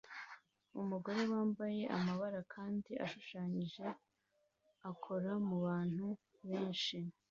Umugore wambaye amabara kandi ashushanyije akora mubantu benshi